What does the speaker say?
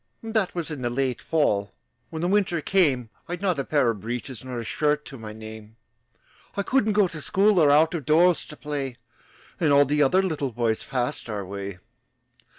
That was in the late fall. When the winter came, I'd not a pair of breeches Nor a shirt to my name. I couldn't go to school, Or out of doors to play. And all the other little boys Passed our way.